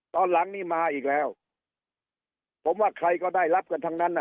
ตอนหลังนี้มาอีกแล้วผมว่าใครก็ได้รับกันทั้งนั้นอ่ะ